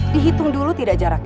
dihitung dulu tidak jaraknya